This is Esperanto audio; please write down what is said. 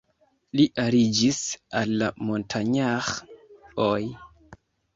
Li aliĝis al la "Montagnard"-oj.